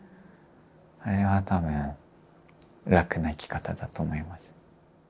それは多分楽な生き方だと思います。